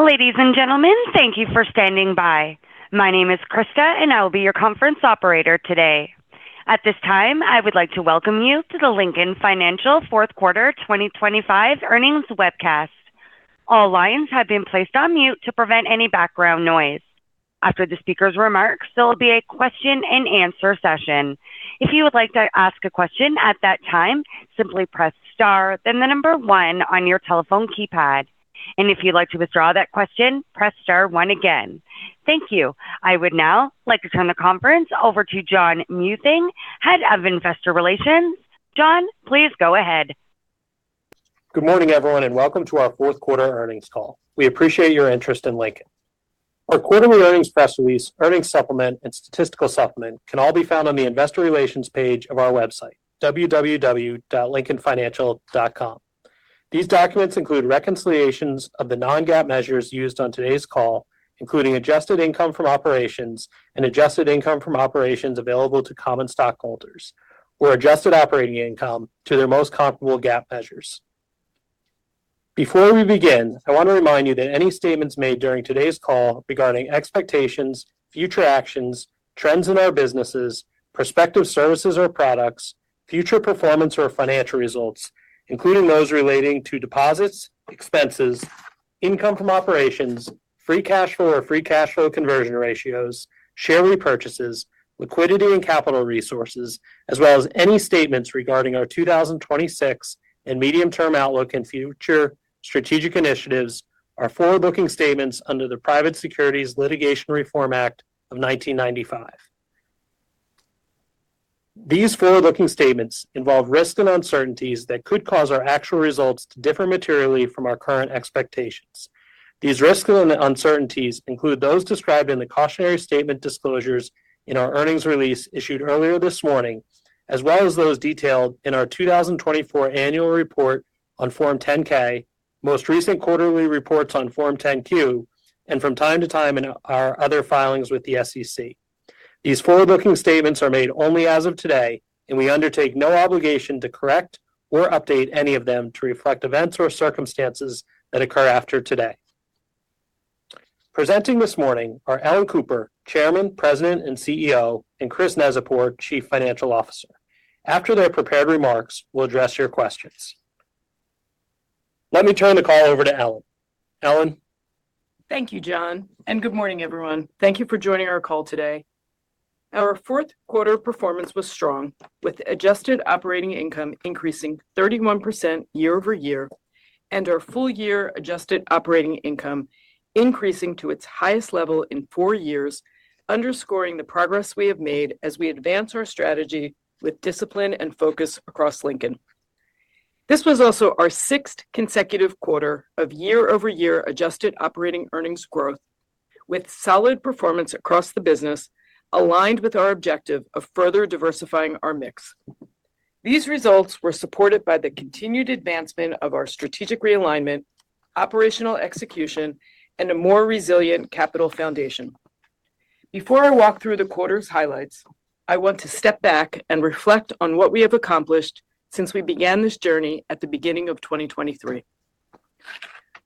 Ladies and gentlemen, thank you for standing by. My name is Krista, and I will be your conference operator today. At this time, I would like to welcome you to the Lincoln Financial Fourth Quarter 2025 Earnings Webcast. All lines have been placed on mute to prevent any background noise. After the speaker's remarks, there will be a question and answer session. If you would like to ask a question at that time, simply press Star, then the one on your telephone keypad. If you'd like to withdraw that question, press Star one again. Thank you. I would now like to turn the conference over to John Muething, Head of Investor Relations. John, please go ahead. Good morning, everyone, and welcome to our fourth quarter earnings call. We appreciate your interest in Lincoln. Our quarterly earnings press release, earnings supplement, and statistical supplement can all be found on the investor relations page of our website, www.lincolnfinancial.com. These documents include reconciliations of the non-GAAP measures used on today's call, including adjusted income from operations and adjusted income from operations available to common stockholders or adjusted operating income to their most comparable GAAP measures. Before we begin, I want to remind you that any statements made during today's call regarding expectations, future actions, trends in our businesses, prospective services or products, future performance or financial results, including those relating to deposits, expenses, income from operations, free cash flow or free cash flow conversion ratios, share repurchases, liquidity and capital resources, as well as any statements regarding our 2026 and medium-term outlook and future strategic initiatives, are forward-looking statements under the Private Securities Litigation Reform Act of 1995. These forward-looking statements involve risks and uncertainties that could cause our actual results to differ materially from our current expectations. These risks and uncertainties include those described in the cautionary statement disclosures in our earnings release issued earlier this morning, as well as those detailed in our 2024 annual report on Form 10-K, most recent quarterly reports on Form 10-Q, and from time to time in our other filings with the SEC. These forward-looking statements are made only as of today, and we undertake no obligation to correct or update any of them to reflect events or circumstances that occur after today. Presenting this morning are Ellen Cooper, Chairman, President, and CEO, and Chris Neczypor, Chief Financial Officer. After their prepared remarks, we'll address your questions. Let me turn the call over to Ellen. Ellen? Thank you, John, and good morning, everyone. Thank you for joining our call today. Our fourth quarter performance was strong, with adjusted operating income increasing 31% year-over-year, and our full-year adjusted operating income increasing to its highest level in four years, underscoring the progress we have made as we advance our strategy with discipline and focus across Lincoln. This was also our sixth consecutive quarter of year-over-year adjusted operating earnings growth, with solid performance across the business aligned with our objective of further diversifying our mix. These results were supported by the continued advancement of our strategic realignment, operational execution, and a more resilient capital foundation. Before I walk through the quarter's highlights, I want to step back and reflect on what we have accomplished since we began this journey at the beginning of 2023.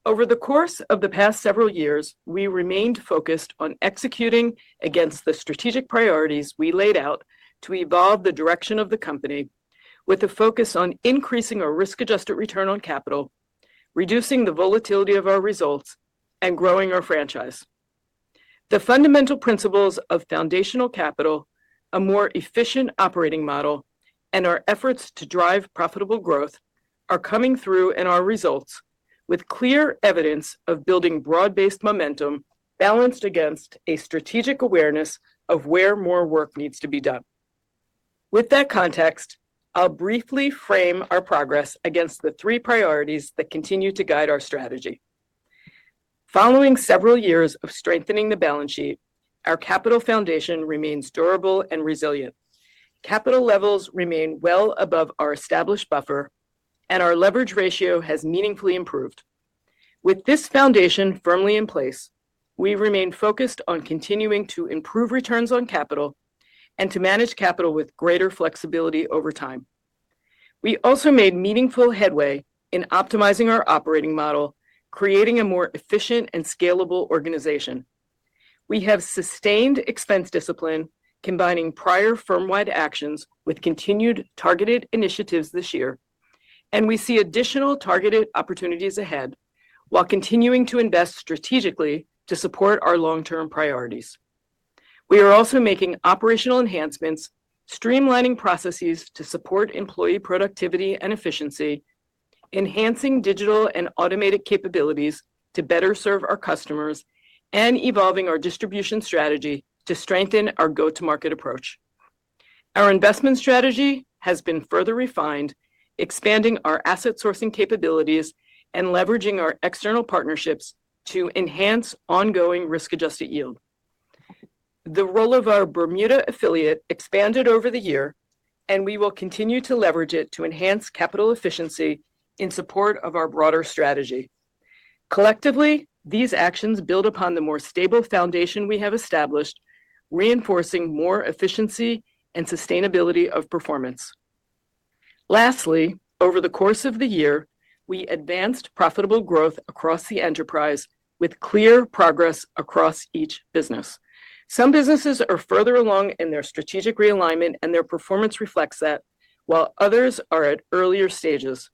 Over the course of the past several years, we remained focused on executing against the strategic priorities we laid out to evolve the direction of the company, with a focus on increasing our risk-adjusted return on capital, reducing the volatility of our results, and growing our franchise. The fundamental principles of foundational capital, a more efficient operating model, and our efforts to drive profitable growth are coming through in our results with clear evidence of building broad-based momentum balanced against a strategic awareness of where more work needs to be done. With that context, I'll briefly frame our progress against the three priorities that continue to guide our strategy. Following several years of strengthening the balance sheet, our capital foundation remains durable and resilient. Capital levels remain well above our established buffer, and our leverage ratio has meaningfully improved. With this foundation firmly in place, we remain focused on continuing to improve returns on capital and to manage capital with greater flexibility over time. We also made meaningful headway in optimizing our operating model, creating a more efficient and scalable organization. We have sustained expense discipline, combining prior firm-wide actions with continued targeted initiatives this year, and we see additional targeted opportunities ahead while continuing to invest strategically to support our long-term priorities. We are also making operational enhancements, streamlining processes to support employee productivity and efficiency, enhancing digital and automated capabilities to better serve our customers, and evolving our distribution strategy to strengthen our go-to-market approach. Our investment strategy has been further refined, expanding our asset sourcing capabilities and leveraging our external partnerships to enhance ongoing risk-adjusted yield. The role of our Bermuda affiliate expanded over the year, and we will continue to leverage it to enhance capital efficiency in support of our broader strategy. Collectively, these actions build upon the more stable foundation we have established, reinforcing more efficiency and sustainability of performance. Lastly, over the course of the year, we advanced profitable growth across the enterprise with clear progress across each business. Some businesses are further along in their strategic realignment, and their performance reflects that, while others are at earlier stages.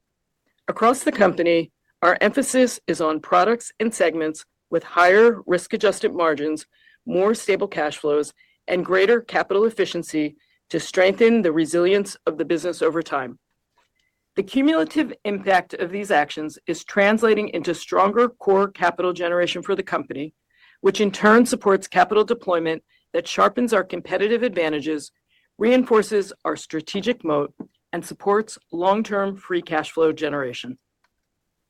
Across the company, our emphasis is on products and segments with higher risk-adjusted margins, more stable cash flows, and greater capital efficiency to strengthen the resilience of the business over time. The cumulative impact of these actions is translating into stronger core capital generation for the company, which in turn supports capital deployment that sharpens our competitive advantages, reinforces our strategic moat, and supports long-term free cash flow generation.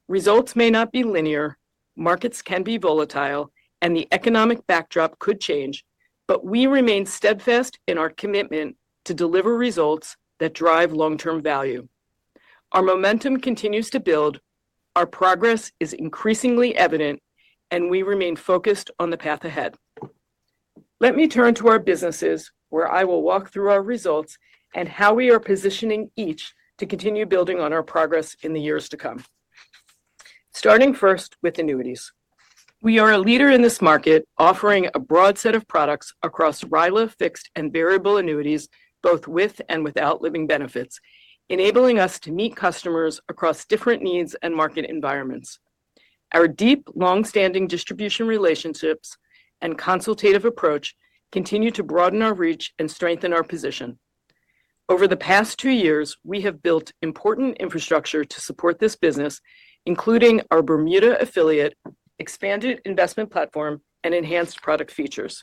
Results may not be linear, markets can be volatile, and the economic backdrop could change, but we remain steadfast in our commitment to deliver results that drive long-term value. Our momentum continues to build, our progress is increasingly evident, and we remain focused on the path ahead. Let me turn to our businesses, where I will walk through our results and how we are positioning each to continue building on our progress in the years to come. Starting first with Annuities. We are a leader in this market, offering a broad set of products across RILA, fixed, and variable annuities, both with and without living benefits, enabling us to meet customers across different needs and market environments. Our deep, long-standing distribution relationships and consultative approach continue to broaden our reach and strengthen our position. Over the past two years, we have built important infrastructure to support this business, including our Bermuda affiliate, expanded investment platform, and enhanced product features.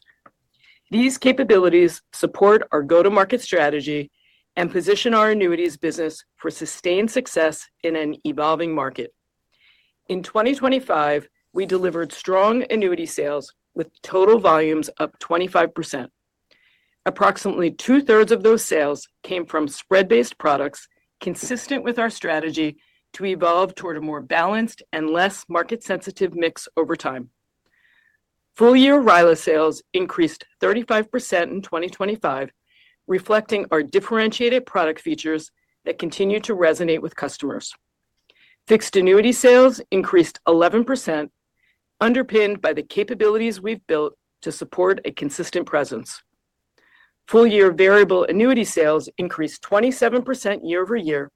These capabilities support our go-to-market strategy and position our annuities business for sustained success in an evolving market. In 2025, we delivered strong annuity sales with total volumes up 25%. Approximately 2/3 of those sales came from spread-based products, consistent with our strategy to evolve toward a more balanced and less market-sensitive mix over time. Full-year RILA sales increased 35% in 2025, reflecting our differentiated product features that continue to resonate with customers. Fixed annuity sales increased 11%, underpinned by the capabilities we've built to support a consistent presence. Full-year variable annuity sales increased 27% year-over-year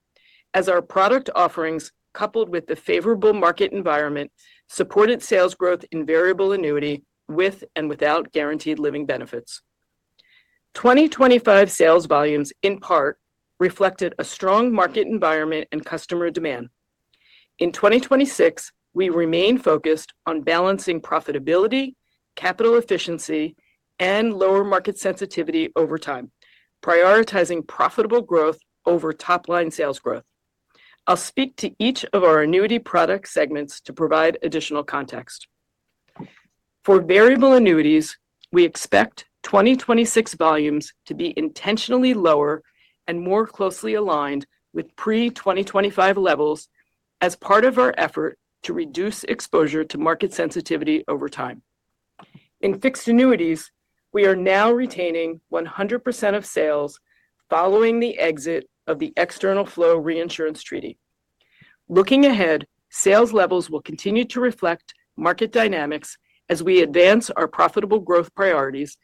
as our product offerings, coupled with the favorable market environment, supported sales growth in variable annuity with and without guaranteed living benefits. 2025 sales volumes, in part, reflected a strong market environment and customer demand. In 2026, we remain focused on balancing profitability, capital efficiency, and lower market sensitivity over time, prioritizing profitable growth over top-line sales growth. I'll speak to each of our annuity product segments to provide additional context. For variable annuities, we expect 2026 volumes to be intentionally lower and more closely aligned with pre-2025 levels as part of our effort to reduce exposure to market sensitivity over time. In fixed annuities, we are now retaining 100% of sales following the exit of the external flow reinsurance treaty. Looking ahead, sales levels will continue to reflect market dynamics as we advance our profitable growth priorities,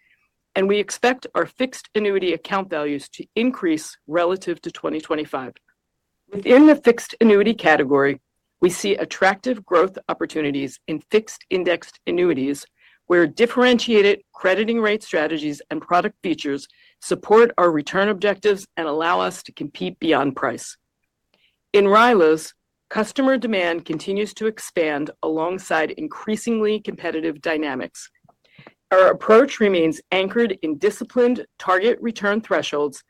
and we expect our fixed annuity account values to increase relative to 2025. Within the fixed annuity category, we see attractive growth opportunities in fixed indexed annuities, where differentiated crediting rate strategies and product features support our return objectives and allow us to compete beyond price. In RILAs, customer demand continues to expand alongside increasingly competitive dynamics. Our approach remains anchored in disciplined target return thresholds,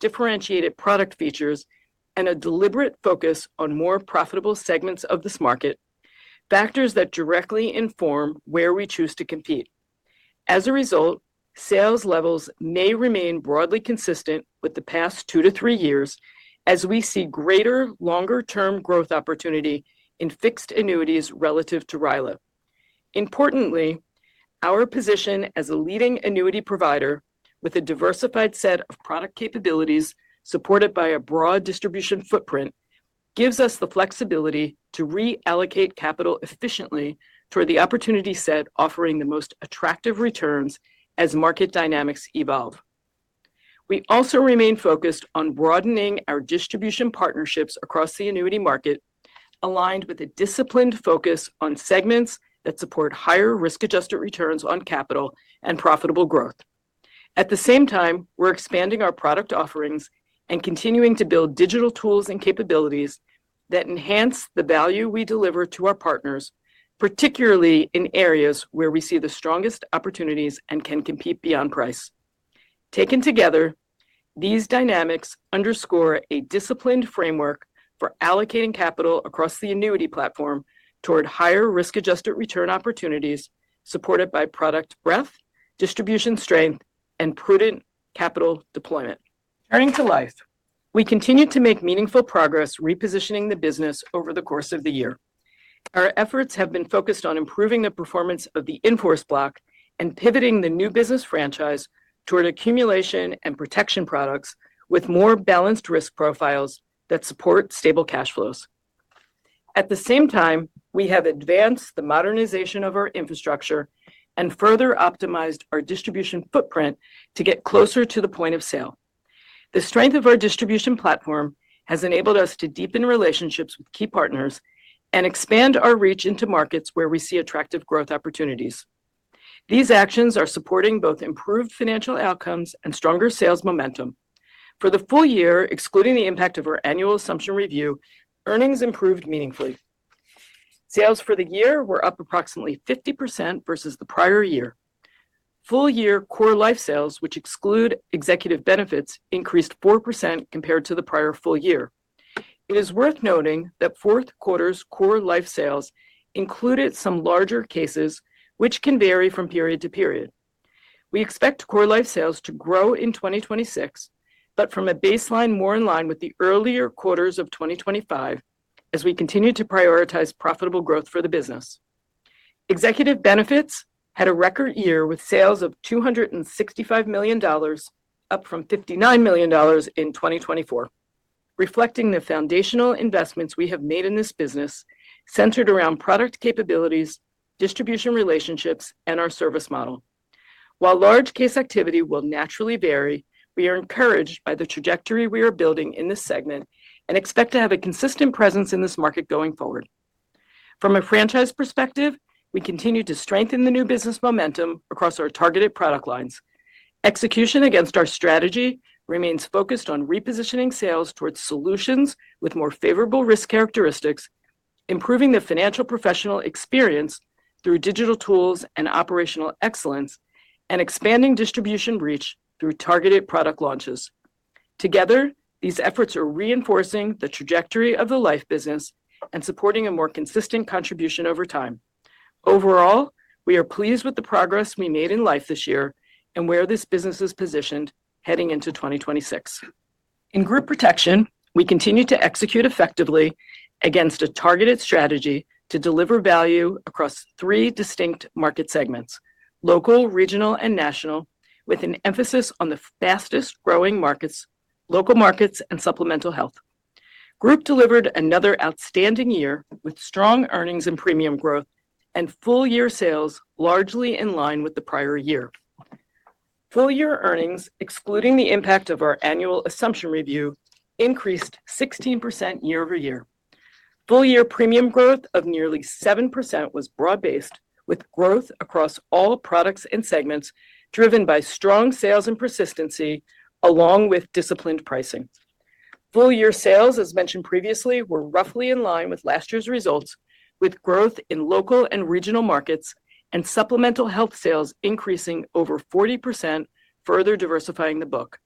differentiated product features, and a deliberate focus on more profitable segments of this market, factors that directly inform where we choose to compete. As a result, sales levels may remain broadly consistent with the past two to three years as we see greater, longer-term growth opportunity in fixed annuities relative to RILA. Importantly, our position as a leading annuity provider with a diversified set of product capabilities supported by a broad distribution footprint, gives us the flexibility to reallocate capital efficiently toward the opportunity set, offering the most attractive returns as market dynamics evolve. We also remain focused on broadening our distribution partnerships across the annuity market, aligned with a disciplined focus on segments that support higher risk-adjusted returns on capital and profitable growth. At the same time, we're expanding our product offerings and continuing to build digital tools and capabilities that enhance the value we deliver to our partners, particularly in areas where we see the strongest opportunities and can compete beyond price. Taken together, these dynamics underscore a disciplined framework for allocating capital across the annuity platform toward higher risk-adjusted return opportunities, supported by product breadth, distribution strength, and prudent capital deployment. Turning to Life, we continue to make meaningful progress repositioning the business over the course of the year.... Our efforts have been focused on improving the performance of the in-force block and pivoting the new business franchise toward accumulation and protection products with more balanced risk profiles that support stable cash flows. At the same time, we have advanced the modernization of our infrastructure and further optimized our distribution footprint to get closer to the point of sale. The strength of our distribution platform has enabled us to deepen relationships with key partners and expand our reach into markets where we see attractive growth opportunities. These actions are supporting both improved financial outcomes and stronger sales momentum. For the full year, excluding the impact of our annual assumption review, earnings improved meaningfully. Sales for the year were up approximately 50% versus the prior year. Full year core life sales, which exclude executive benefits, increased 4% compared to the prior full year. It is worth noting that fourth quarter's core life sales included some larger cases, which can vary from period to period. We expect core life sales to grow in 2026, but from a baseline more in line with the earlier quarters of 2025 as we continue to prioritize profitable growth for the business. Executive benefits had a record year, with sales of $265 million, up from $59 million in 2024, reflecting the foundational investments we have made in this business, centered around product capabilities, distribution relationships, and our service model. While large case activity will naturally vary, we are encouraged by the trajectory we are building in this segment and expect to have a consistent presence in this market going forward. From a franchise perspective, we continue to strengthen the new business momentum across our targeted product lines. Execution against our strategy remains focused on repositioning sales towards solutions with more favorable risk characteristics, improving the financial professional experience through digital tools and operational excellence, and expanding distribution reach through targeted product launches. Together, these efforts are reinforcing the trajectory of the Life business and supporting a more consistent contribution over time. Overall, we are pleased with the progress we made in Life this year and where this business is positioned heading into 2026. In Group Protection, we continue to execute effectively against a targeted strategy to deliver value across three distinct market segments: local, regional, and national, with an emphasis on the fastest-growing markets, local markets, and supplemental health. Group delivered another outstanding year, with strong earnings and premium growth, and full-year sales largely in line with the prior year. Full-year earnings, excluding the impact of our annual assumption review, increased 16% year-over-year. Full-year premium growth of nearly 7% was broad-based, with growth across all products and segments, driven by strong sales and persistency, along with disciplined pricing. Full-year sales, as mentioned previously, were roughly in line with last year's results, with growth in local and regional markets and supplemental health sales increasing over 40%, further diversifying the book.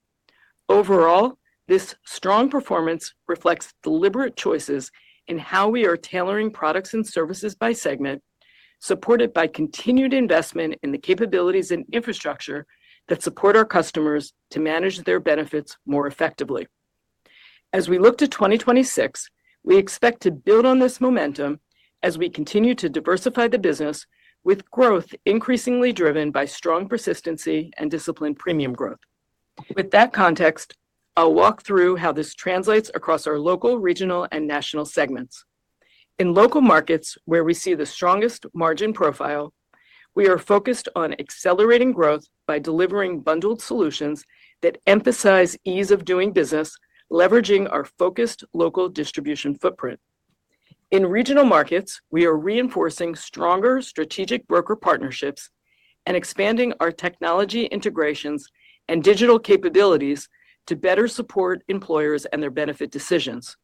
Overall, this strong performance reflects deliberate choices in how we are tailoring products and services by segment, supported by continued investment in the capabilities and infrastructure that support our customers to manage their benefits more effectively. As we look to 2026, we expect to build on this momentum as we continue to diversify the business, with growth increasingly driven by strong persistency and disciplined premium growth. With that context, I'll walk through how this translates across our local, regional, and national segments. In local markets, where we see the strongest margin profile, we are focused on accelerating growth by delivering bundled solutions that emphasize ease of doing business, leveraging our focused local distribution footprint. In regional markets, we are reinforcing stronger strategic broker partnerships and expanding our technology integrations and digital capabilities to better support employers and their benefit decisions.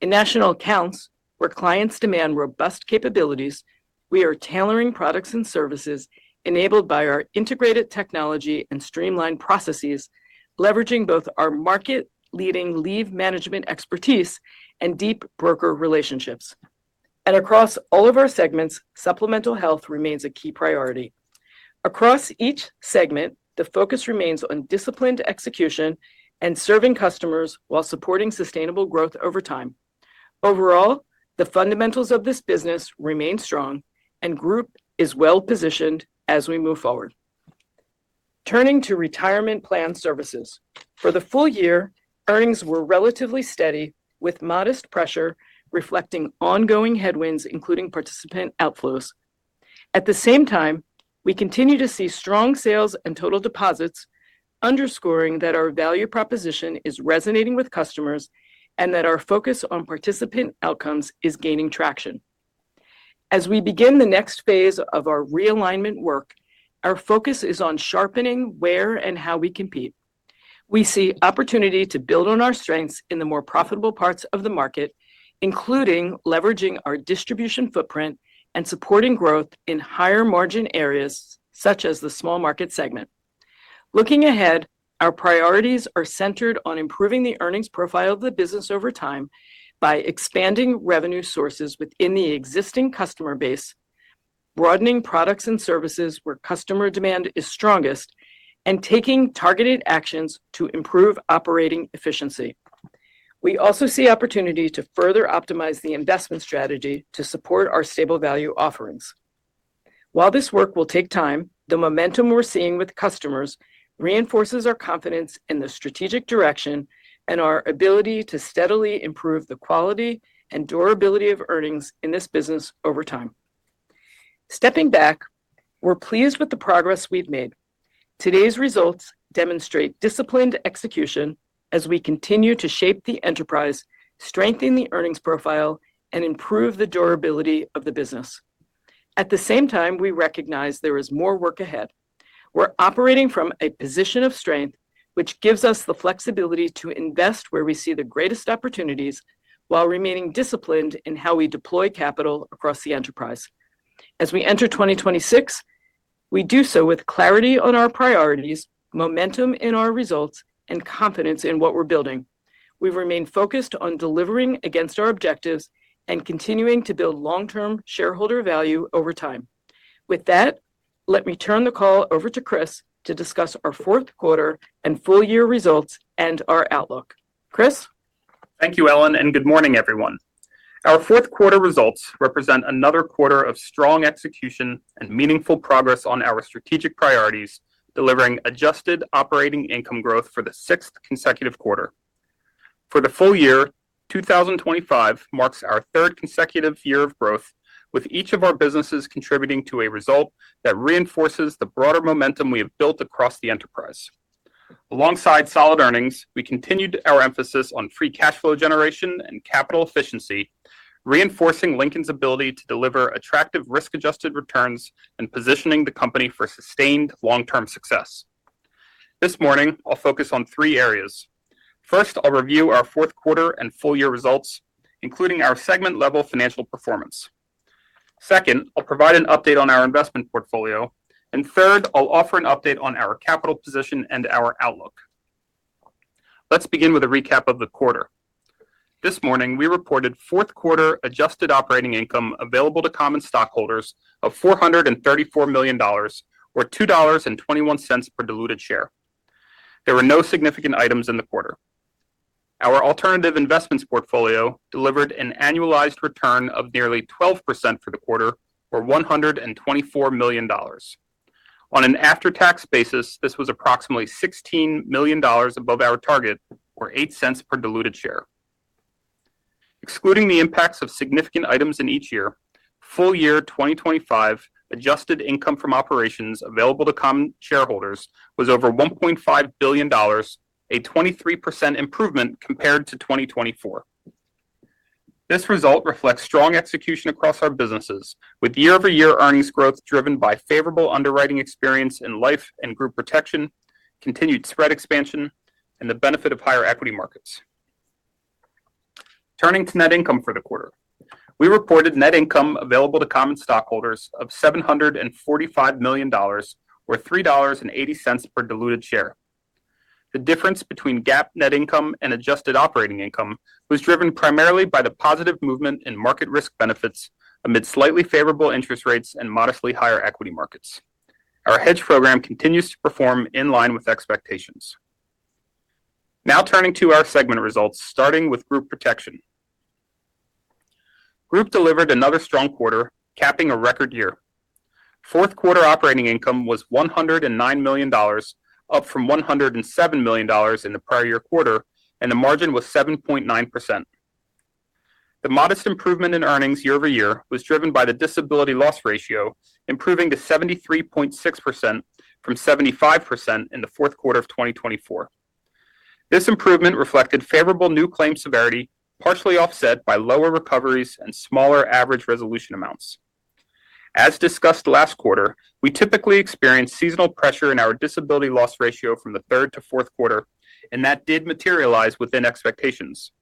In national accounts, where clients demand robust capabilities, we are tailoring products and services enabled by our integrated technology and streamlined processes, leveraging both our market-leading leave management expertise and deep broker relationships. Across all of our segments, supplemental health remains a key priority. Across each segment, the focus remains on disciplined execution and serving customers while supporting sustainable growth over time. Overall, the fundamentals of this business remain strong, and group is well-positioned as we move forward. Turning to Retirement Plan Services. For the full year, earnings were relatively steady, with modest pressure reflecting ongoing headwinds, including participant outflows. At the same time, we continue to see strong sales and total deposits, underscoring that our value proposition is resonating with customers and that our focus on participant outcomes is gaining traction. As we begin the next phase of our realignment work, our focus is on sharpening where and how we compete. We see opportunity to build on our strengths in the more profitable parts of the market, including leveraging our distribution footprint and supporting growth in higher-margin areas, such as the small market segment. Looking ahead, our priorities are centered on improving the earnings profile of the business over time by expanding revenue sources within the existing customer base.... broadening products and services where customer demand is strongest, and taking targeted actions to improve operating efficiency. We also see opportunity to further optimize the investment strategy to support our stable value offerings. While this work will take time, the momentum we're seeing with customers reinforces our confidence in the strategic direction and our ability to steadily improve the quality and durability of earnings in this business over time. Stepping back, we're pleased with the progress we've made. Today's results demonstrate disciplined execution as we continue to shape the enterprise, strengthen the earnings profile, and improve the durability of the business. At the same time, we recognize there is more work ahead. We're operating from a position of strength, which gives us the flexibility to invest where we see the greatest opportunities, while remaining disciplined in how we deploy capital across the enterprise. As we enter 2026, we do so with clarity on our priorities, momentum in our results, and confidence in what we're building. We've remained focused on delivering against our objectives and continuing to build long-term shareholder value over time. With that, let me turn the call over to Chris to discuss our fourth quarter and full year results and our outlook. Chris? Thank you, Ellen, and good morning, everyone. Our fourth quarter results represent another quarter of strong execution and meaningful progress on our strategic priorities, delivering adjusted operating income growth for the sixth consecutive quarter. For the full year, 2025 marks our third consecutive year of growth, with each of our businesses contributing to a result that reinforces the broader momentum we have built across the enterprise. Alongside solid earnings, we continued our emphasis on free cash flow generation and capital efficiency, reinforcing Lincoln's ability to deliver attractive risk-adjusted returns and positioning the company for sustained long-term success. This morning, I'll focus on three areas. First, I'll review our fourth quarter and full year results, including our segment-level financial performance. Second, I'll provide an update on our investment portfolio, and third, I'll offer an update on our capital position and our outlook. Let's begin with a recap of the quarter. This morning, we reported fourth quarter adjusted operating income available to common stockholders of $434 million or $2.21 per diluted share. There were no significant items in the quarter. Our alternative investments portfolio delivered an annualized return of nearly 12% for the quarter, or $124 million. On an after-tax basis, this was approximately $16 million above our target, or $0.08 per diluted share. Excluding the impacts of significant items in each year, full year 2025 adjusted income from operations available to common shareholders was over $1.5 billion, a 23% improvement compared to 2024. This result reflects strong execution across our businesses, with year-over-year earnings growth driven by favorable underwriting experience in Life and Group Protection, continued spread expansion, and the benefit of higher equity markets. Turning to net income for the quarter. We reported net income available to common stockholders of $745 million, or $3.80 per diluted share. The difference between GAAP net income and adjusted operating income was driven primarily by the positive movement in market risk benefits amid slightly favorable interest rates and modestly higher equity markets. Our hedge program continues to perform in line with expectations. Now turning to our segment results, starting with Group Protection. Group delivered another strong quarter, capping a record year. Fourth quarter operating income was $109 million, up from $107 million in the prior year quarter, and the margin was 7.9%. The modest improvement in earnings year-over-year was driven by the disability loss ratio, improving to 73.6% from 75% in the fourth quarter of 2024. This improvement reflected favorable new claim severity, partially offset by lower recoveries and smaller average resolution amounts. As discussed last quarter, we typically experience seasonal pressure in our disability loss ratio from the third to fourth quarter, and that did materialize within expectations.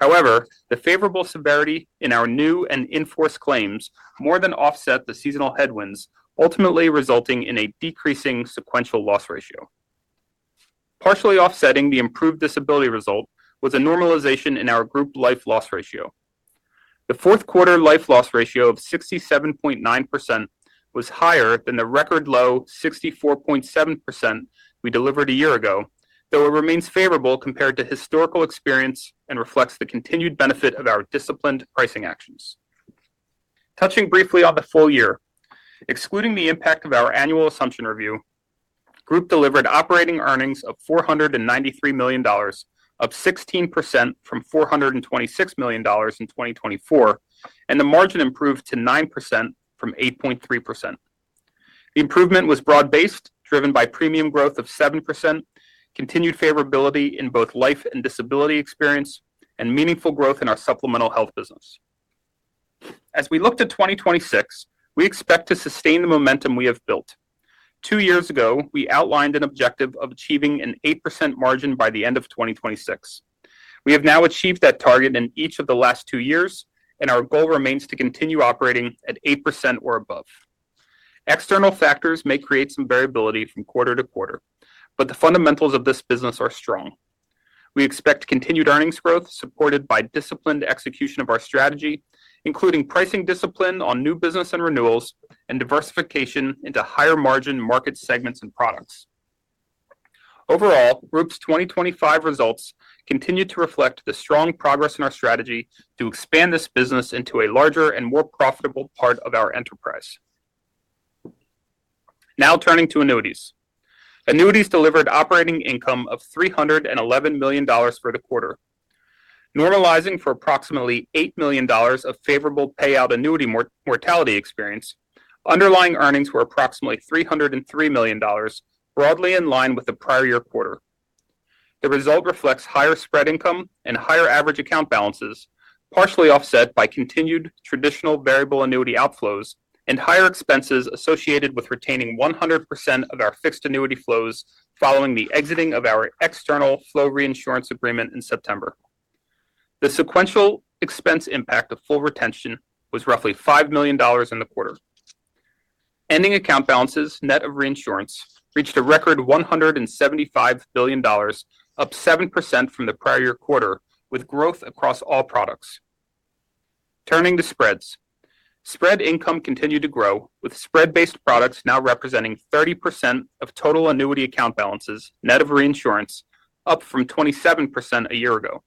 However, the favorable severity in our new and in-force claims more than offset the seasonal headwinds, ultimately resulting in a decreasing sequential loss ratio. Partially offsetting the improved disability result was a normalization in our group life loss ratio. The fourth quarter Life loss ratio of 67.9% was higher than the record low 64.7% we delivered a year ago, though it remains favorable compared to historical experience and reflects the continued benefit of our disciplined pricing actions. Touching briefly on the full year. Excluding the impact of our annual assumption review, group delivered operating earnings of $493 million, up 16% from $426 million in 2024, and the margin improved to 9% from 8.3%. The improvement was broad-based, driven by premium growth of 7%, continued favorability in both Life and disability experience, and meaningful growth in our supplemental health business. As we look to 2026, we expect to sustain the momentum we have built. Two years ago, we outlined an objective of achieving an 8% margin by the end of 2026. We have now achieved that target in each of the last two years, and our goal remains to continue operating at 8% or above. External factors may create some variability from quarter to quarter, but the fundamentals of this business are strong. We expect continued earnings growth, supported by disciplined execution of our strategy, including pricing discipline on new business and renewals, and diversification into higher margin market segments and products. Overall, group's 2025 results continue to reflect the strong progress in our strategy to expand this business into a larger and more profitable part of our enterprise. Now, turning to Annuities. Annuities delivered operating income of $311 million for the quarter, normalizing for approximately $8 million of favorable payout annuity mortality experience. Underlying earnings were approximately $303 million, broadly in line with the prior year quarter. The result reflects higher spread income and higher average account balances, partially offset by continued traditional variable annuity outflows and higher expenses associated with retaining 100% of our fixed annuity flows following the exiting of our external flow reinsurance agreement in September. The sequential expense impact of full retention was roughly $5 million in the quarter. Ending account balances, net of reinsurance, reached a record $175 billion, up 7% from the prior year quarter, with growth across all products. Turning to spreads. Spread income continued to grow, with spread-based products now representing 30% of total annuity account balances, net of reinsurance, up from 27% a year ago.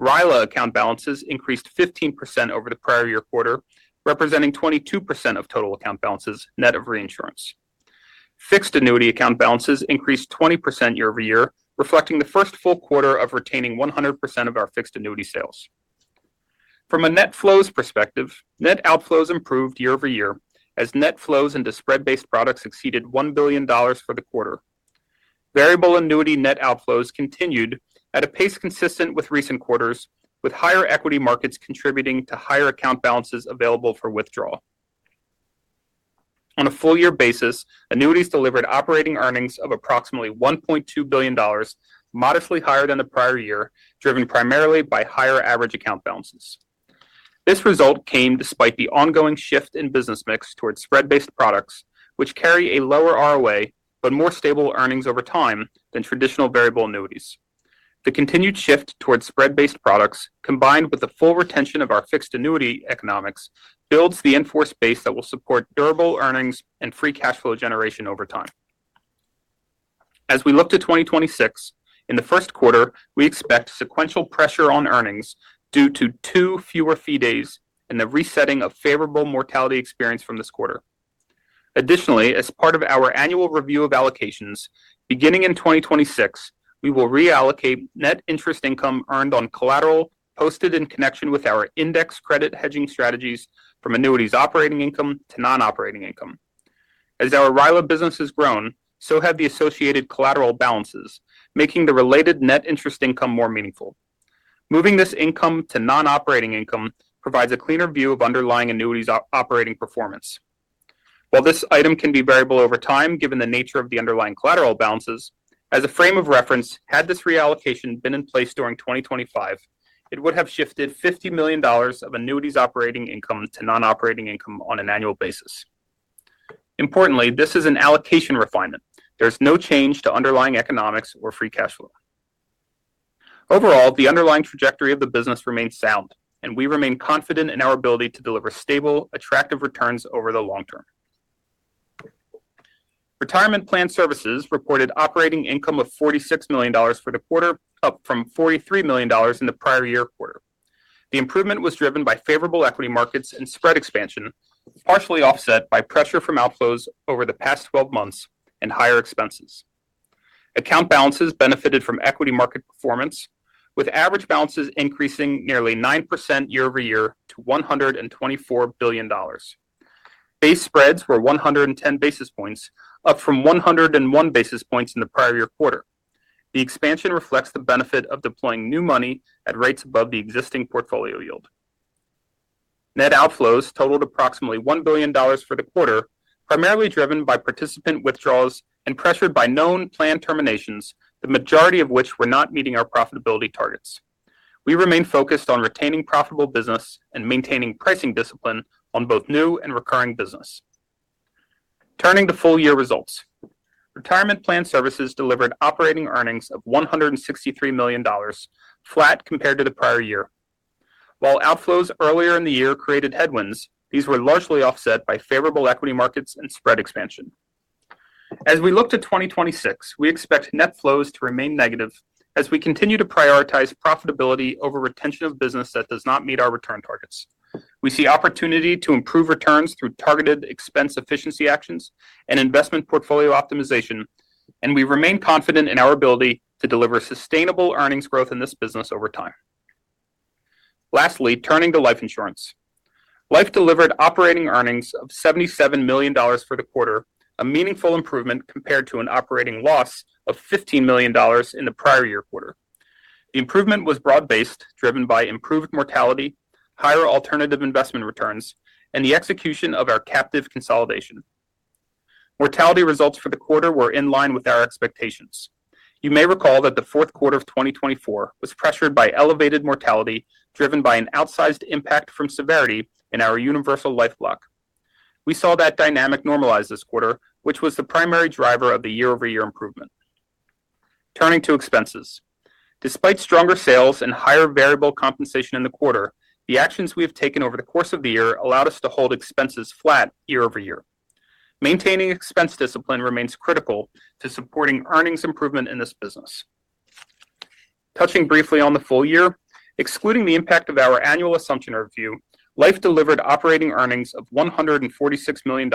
RILA account balances increased 15% over the prior year quarter, representing 22% of total account balances, net of reinsurance. Fixed annuity account balances increased 20% year-over-year, reflecting the first full quarter of retaining 100% of our fixed annuity sales. From a net flows perspective, net outflows improved year-over-year as net flows into spread-based products exceeded $1 billion for the quarter. Variable annuity net outflows continued at a pace consistent with recent quarters, with higher equity markets contributing to higher account balances available for withdrawal. On a full year basis, annuities delivered operating earnings of approximately $1.2 billion, modestly higher than the prior year, driven primarily by higher average account balances. This result came despite the ongoing shift in business mix towards spread-based products, which carry a lower ROA but more stable earnings over time than traditional variable annuities. The continued shift towards spread-based products, combined with the full retention of our fixed annuity economics, builds the in-force base that will support durable earnings and free cash flow generation over time. As we look to 2026, in the first quarter, we expect sequential pressure on earnings due to two fewer fee days and the resetting of favorable mortality experience from this quarter. Additionally, as part of our annual review of allocations, beginning in 2026, we will reallocate net interest income earned on collateral posted in connection with our index credit hedging strategies from Annuities operating income to non-operating income. As our RILA business has grown, so have the associated collateral balances, making the related net interest income more meaningful. Moving this income to non-operating income provides a cleaner view of underlying annuities operating performance. While this item can be variable over time, given the nature of the underlying collateral balances, as a frame of reference, had this reallocation been in place during 2025, it would have shifted $50 million of annuities operating income to non-operating income on an annual basis. Importantly, this is an allocation refinement. There's no change to underlying economics or free cash flow. Overall, the underlying trajectory of the business remains sound, and we remain confident in our ability to deliver stable, attractive returns over the long term. Retirement Plan Services reported operating income of $46 million for the quarter, up from $43 million in the prior year quarter. The improvement was driven by favorable equity markets and spread expansion, partially offset by pressure from outflows over the past 12 months and higher expenses. Account balances benefited from equity market performance, with average balances increasing nearly 9% year-over-year to $124 billion. Base spreads were 110 basis points, up from 101 basis points in the prior year quarter. The expansion reflects the benefit of deploying new money at rates above the existing portfolio yield. Net outflows totaled approximately $1 billion for the quarter, primarily driven by participant withdrawals and pressured by known plan terminations, the majority of which were not meeting our profitability targets. We remain focused on retaining profitable business and maintaining pricing discipline on both new and recurring business. Turning to full year results. Retirement Plan Services delivered operating earnings of $163 million, flat compared to the prior year. While outflows earlier in the year created headwinds, these were largely offset by favorable equity markets and spread expansion. As we look to 2026, we expect net flows to remain negative as we continue to prioritize profitability over retention of business that does not meet our return targets. We see opportunity to improve returns through targeted expense efficiency actions and investment portfolio optimization, and we remain confident in our ability to deliver sustainable earnings growth in this business over time. Lastly, turning to Life Insurance. Life delivered operating earnings of $77 million for the quarter, a meaningful improvement compared to an operating loss of $15 million in the prior year quarter. The improvement was broad-based, driven by improved mortality, higher alternative investment returns, and the execution of our captive consolidation. Mortality results for the quarter were in line with our expectations. You may recall that the fourth quarter of 2024 was pressured by elevated mortality, driven by an outsized impact from severity in our universal life block. We saw that dynamic normalize this quarter, which was the primary driver of the year-over-year improvement. Turning to expenses. Despite stronger sales and higher variable compensation in the quarter, the actions we have taken over the course of the year allowed us to hold expenses flat year over year. Maintaining expense discipline remains critical to supporting earnings improvement in this business. Touching briefly on the full year, excluding the impact of our annual assumption review, Life delivered operating earnings of $146 million,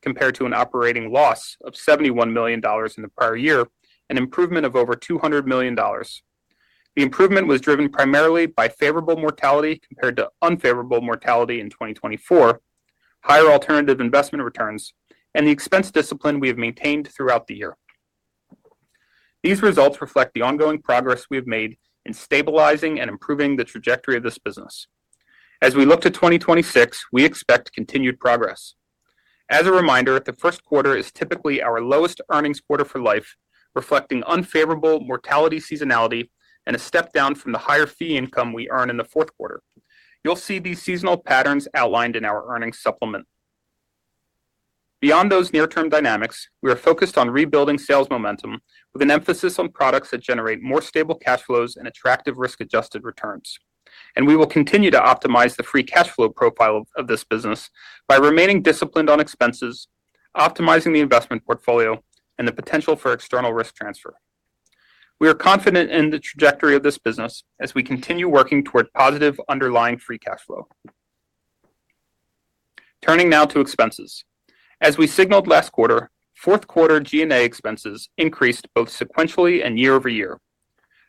compared to an operating loss of $71 million in the prior year, an improvement of over $200 million. The improvement was driven primarily by favorable mortality compared to unfavorable mortality in 2024, higher alternative investment returns, and the expense discipline we have maintained throughout the year. These results reflect the ongoing progress we have made in stabilizing and improving the trajectory of this business. As we look to 2026, we expect continued progress. As a reminder, the first quarter is typically our lowest earnings quarter for Life, reflecting unfavorable mortality seasonality and a step down from the higher fee income we earn in the fourth quarter. You'll see these seasonal patterns outlined in our earnings supplement. Beyond those near-term dynamics, we are focused on rebuilding sales momentum with an emphasis on products that generate more stable cash flows and attractive risk-adjusted returns. We will continue to optimize the free cash flow profile of this business by remaining disciplined on expenses, optimizing the investment portfolio, and the potential for external risk transfer. We are confident in the trajectory of this business as we continue working toward positive underlying free cash flow. Turning now to expenses. As we signaled last quarter, fourth quarter G&A expenses increased both sequentially and year-over-year.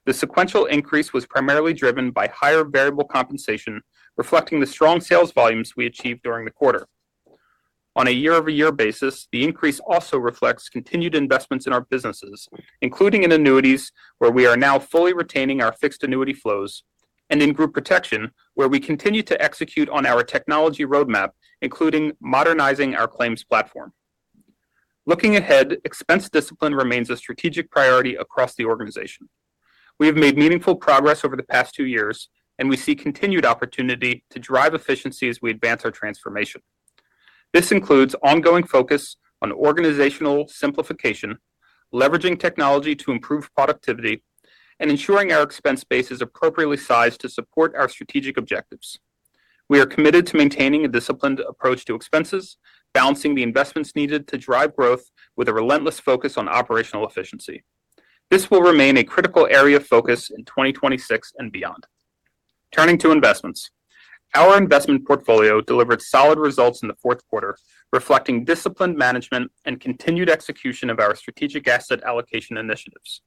The sequential increase was primarily driven by higher variable compensation, reflecting the strong sales volumes we achieved during the quarter. On a year-over-year basis, the increase also reflects continued investments in our businesses, including in annuities, where we are now fully retaining our fixed annuity flows, and in Group Protection, where we continue to execute on our technology roadmap, including modernizing our claims platform. Looking ahead, expense discipline remains a strategic priority across the organization. We have made meaningful progress over the past two years, and we see continued opportunity to drive efficiency as we advance our transformation. This includes ongoing focus on organizational simplification, leveraging technology to improve productivity, and ensuring our expense base is appropriately sized to support our strategic objectives. We are committed to maintaining a disciplined approach to expenses, balancing the investments needed to drive growth with a relentless focus on operational efficiency. This will remain a critical area of focus in 2026 and beyond. Turning to investments. Our investment portfolio delivered solid results in the fourth quarter, reflecting disciplined management and continued execution of our strategic asset allocation initiatives.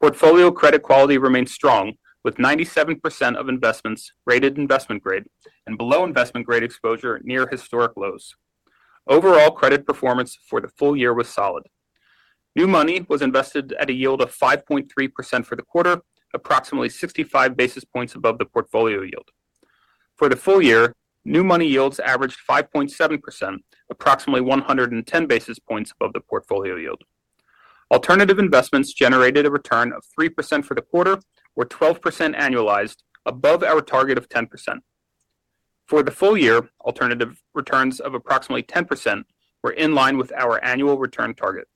Portfolio credit quality remains strong, with 97% of investments rated investment grade and below investment grade exposure near historic lows. Overall credit performance for the full year was solid. New money was invested at a yield of 5.3% for the quarter, approximately 65 basis points above the portfolio yield. For the full year, new money yields averaged 5.7%, approximately 110 basis points above the portfolio yield. Alternative investments generated a return of 3% for the quarter, or 12% annualized, above our target of 10%. For the full year, alternative returns of approximately 10% were in line with our annual return target.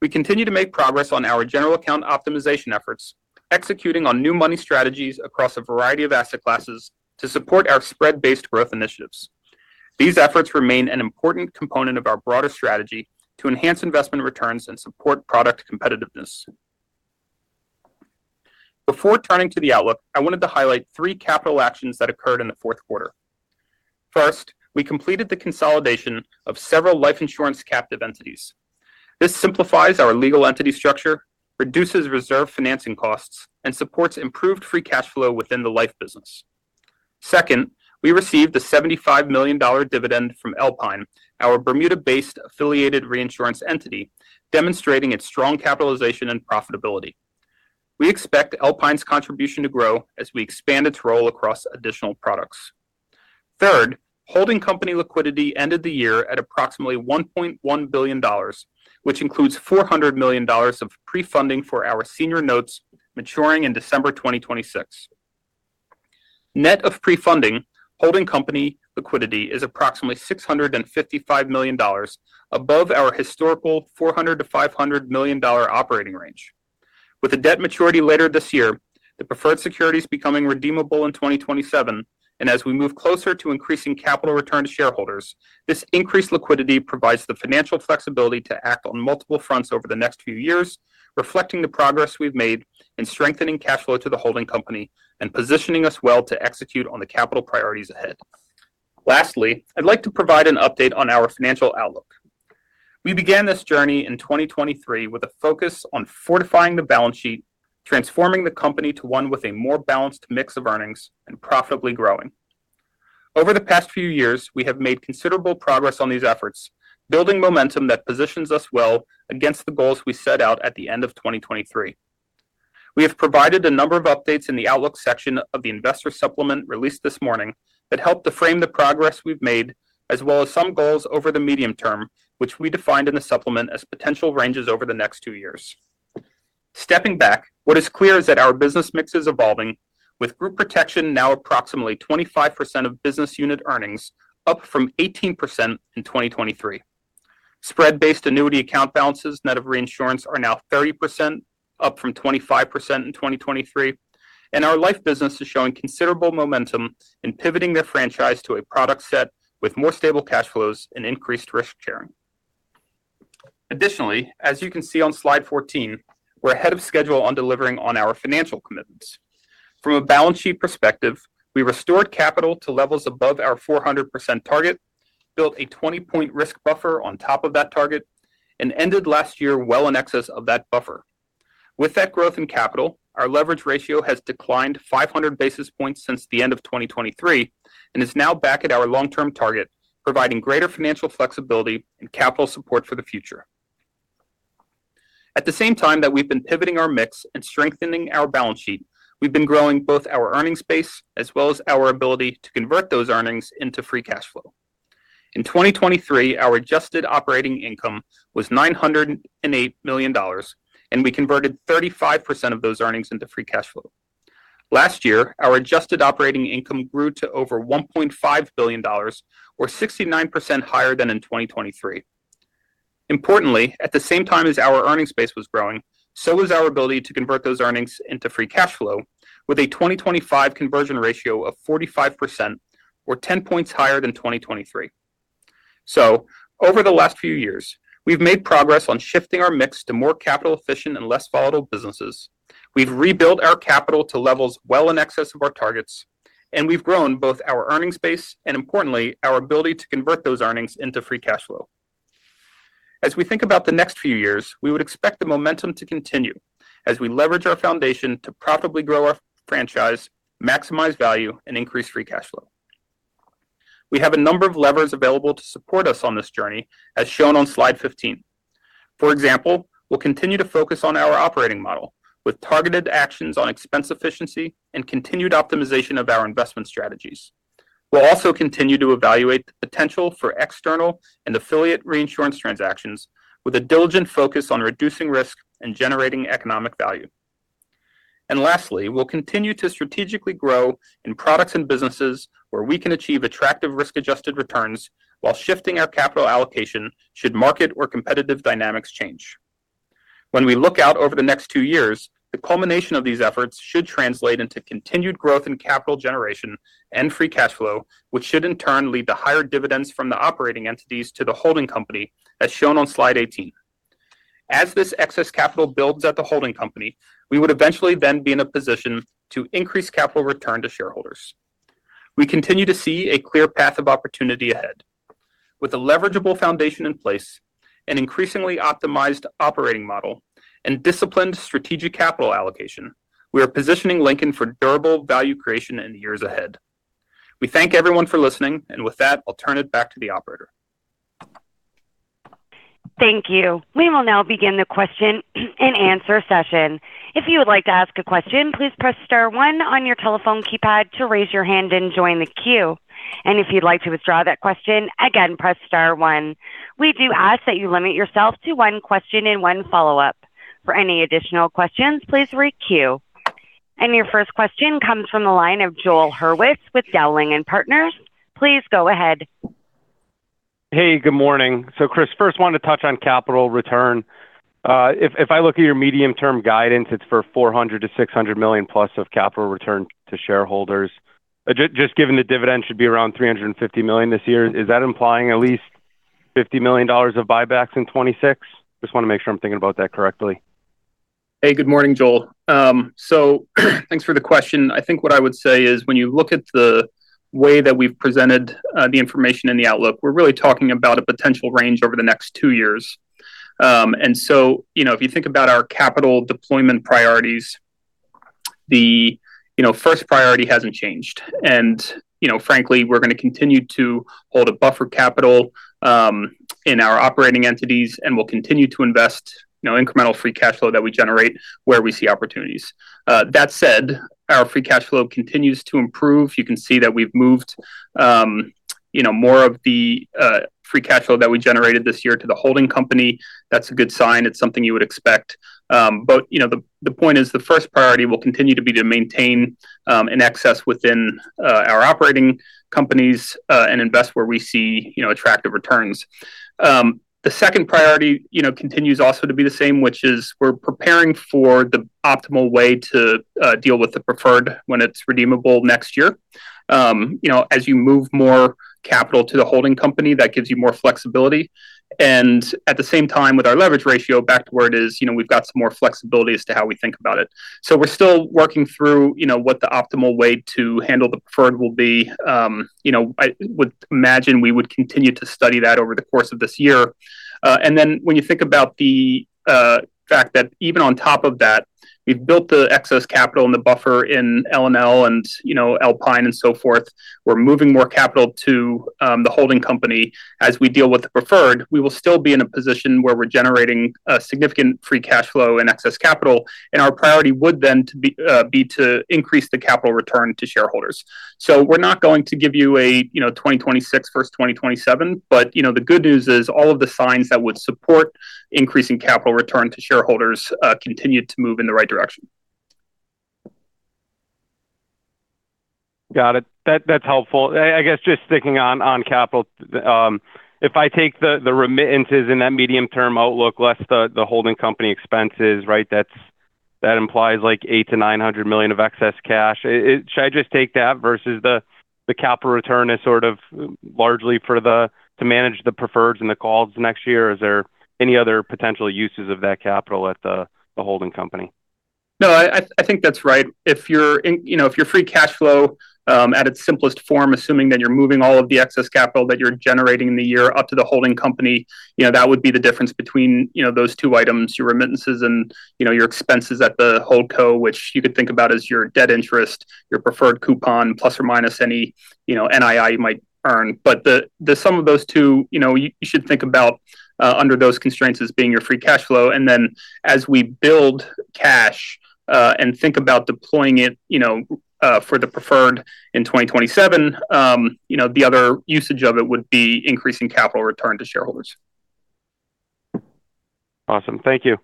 We continue to make progress on our general account optimization efforts, executing on new money strategies across a variety of asset classes to support our spread-based growth initiatives. These efforts remain an important component of our broader strategy to enhance investment returns and support product competitiveness. Before turning to the outlook, I wanted to highlight three capital actions that occurred in the fourth quarter. First, we completed the consolidation of several Life Insurance captive entities. This simplifies our legal entity structure, reduces reserve financing costs, and supports improved free cash flow within the Life business. Second, we received a $75 million dividend from Alpine, our Bermuda-based affiliated reinsurance entity, demonstrating its strong capitalization and profitability. We expect Alpine's contribution to grow as we expand its role across additional products. Third, holding company liquidity ended the year at approximately $1.1 billion, which includes $400 million of pre-funding for our senior notes maturing in December 2026. Net of pre-funding, holding company liquidity is approximately $655 million, above our historical $400 million-$500 million operating range. With a debt maturity later this year, the preferred security is becoming redeemable in 2027, and as we move closer to increasing capital return to shareholders, this increased liquidity provides the financial flexibility to act on multiple fronts over the next few years, reflecting the progress we've made in strengthening cash flow to the holding company and positioning us well to execute on the capital priorities ahead. Lastly, I'd like to provide an update on our financial outlook. We began this journey in 2023 with a focus on fortifying the balance sheet, transforming the company to one with a more balanced mix of earnings and profitably growing. Over the past few years, we have made considerable progress on these efforts, building momentum that positions us well against the goals we set out at the end of 2023... We have provided a number of updates in the Outlook section of the Investor Supplement released this morning, that help to frame the progress we've made, as well as some goals over the medium term, which we defined in the supplement as potential ranges over the next two years. Stepping back, what is clear is that our business mix is evolving, with Group Protection now approximately 25% of business unit earnings, up from 18% in 2023. Spread-based annuity account balances, net of reinsurance, are now 30%, up from 25% in 2023. Our Life business is showing considerable momentum in pivoting the franchise to a product set with more stable cash flows and increased risk sharing. Additionally, as you can see on slide 14, we're ahead of schedule on delivering on our financial commitments. From a balance sheet perspective, we restored capital to levels above our 400% target, built a 20-point risk buffer on top of that target, and ended last year well in excess of that buffer. With that growth in capital, our leverage ratio has declined 500 basis points since the end of 2023 and is now back at our long-term target, providing greater financial flexibility and capital support for the future. At the same time that we've been pivoting our mix and strengthening our balance sheet, we've been growing both our earnings base as well as our ability to convert those earnings into free cash flow. In 2023, our adjusted operating income was $908 million, and we converted 35% of those earnings into free cash flow. Last year, our adjusted operating income grew to over $1.5 billion, or 69% higher than in 2023. Importantly, at the same time as our earnings base was growing, so was our ability to convert those earnings into free cash flow with a 2025 conversion ratio of 45%, or 10 points higher than 2023. So over the last few years, we've made progress on shifting our mix to more capital efficient and less volatile businesses. We've rebuilt our capital to levels well in excess of our targets, and we've grown both our earnings base and importantly, our ability to convert those earnings into free cash flow. As we think about the next few years, we would expect the momentum to continue as we leverage our foundation to profitably grow our franchise, maximize value and increase free cash flow. We have a number of levers available to support us on this journey, as shown on slide 15. For example, we'll continue to focus on our operating model with targeted actions on expense efficiency and continued optimization of our investment strategies. We'll also continue to evaluate the potential for external and affiliate reinsurance transactions with a diligent focus on reducing risk and generating economic value. Lastly, we'll continue to strategically grow in products and businesses where we can achieve attractive risk-adjusted returns while shifting our capital allocation should market or competitive dynamics change. When we look out over the next two years, the culmination of these efforts should translate into continued growth in capital generation and free cash flow, which should in turn lead to higher dividends from the operating entities to the holding company, as shown on slide 18. As this excess capital builds at the holding company, we would eventually then be in a position to increase capital return to shareholders. We continue to see a clear path of opportunity ahead. With a leverageable foundation in place, an increasingly optimized operating model, and disciplined strategic capital allocation, we are positioning Lincoln for durable value creation in the years ahead. We thank everyone for listening, and with that, I'll turn it back to the operator. Thank you. We will now begin the question and answer session. If you would like to ask a question, please press star one on your telephone keypad to raise your hand and join the queue. And if you'd like to withdraw that question again, press star one. We do ask that you limit yourself to one question and one follow-up. For any additional questions, please requeue. And your first question comes from the line of Joel Hurwitz with Dowling & Partners. Please go ahead. Hey, good morning. So, Chris, first wanted to touch on capital return. If I look at your medium-term guidance, it's for $400 million-$600 million plus of capital return to shareholders. Just given the dividend should be around $350 million this year, is that implying at least $50 million of buybacks in 2026? Just want to make sure I'm thinking about that correctly. Hey, good morning, Joel. So thanks for the question. I think what I would say is when you look at the way that we've presented the information in the outlook, we're really talking about a potential range over the next two years. And so, you know, if you think about our capital deployment priorities, the first priority hasn't changed. And, you know, frankly, we're going to continue to hold a buffer capital in our operating entities, and we'll continue to invest incremental free cash flow that we generate where we see opportunities. That said, our free cash flow continues to improve. You can see that we've moved more of the free cash flow that we generated this year to the holding company. That's a good sign. It's something you would expect. But, you know, the point is, the first priority will continue to be to maintain an excess within our operating companies and invest where we see, you know, attractive returns. The second priority, you know, continues also to be the same, which is we're preparing for the optimal way to deal with the preferred when it's redeemable next year. You know, as you move more capital to the holding company, that gives you more flexibility. And at the same time, with our leverage ratio back to where it is, you know, we've got some more flexibility as to how we think about it. So we're still working through, you know, what the optimal way to handle the preferred will be. You know, I would imagine we would continue to study that over the course of this year. And then when you think about the fact that even on top of that we've built the excess capital and the buffer in LNL and, you know, Alpine and so forth. We're moving more capital to the holding company. As we deal with the preferred, we will still be in a position where we're generating a significant free cash flow and excess capital, and our priority would then to be, be to increase the capital return to shareholders. So we're not going to give you a, you know, 2026 versus 2027, but, you know, the good news is all of the signs that would support increasing capital return to shareholders continue to move in the right direction. Got it. That's helpful. I guess just sticking on capital, if I take the remittances in that medium-term outlook, less the holding company expenses, right? That implies like $800 million-$900 million of excess cash. Should I just take that versus the capital return as sort of largely to manage the preferreds and the calls next year? Is there any other potential uses of that capital at the holding company? No, I think that's right. If you're in, you know, if your free cash flow at its simplest form, assuming that you're moving all of the excess capital that you're generating in the year up to the holding company, you know, that would be the difference between, you know, those two items, your remittances and, you know, your expenses at the holdco, which you could think about as your debt interest, your preferred coupon, plus or minus any, you know, NII you might earn. But the sum of those two, you know, you should think about under those constraints as being your free cash flow. And then, as we build cash and think about deploying it, you know, for the preferred in 2027, you know, the other usage of it would be increasing capital return to shareholders. Awesome. Thank you.